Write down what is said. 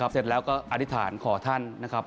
เสร็จแล้วก็อธิษฐานขอท่านนะครับ